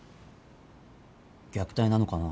虐待なのかな。